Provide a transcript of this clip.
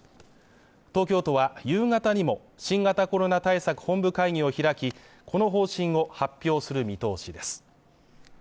東京都は夕方にも新型コロナ対策本部会議を開きこの方針を発表する見通しです